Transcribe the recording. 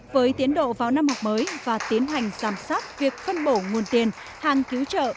với tiến độ vào năm học mới và tiến hành giám sát việc phân bổ nguồn tiền hàng cứu trợ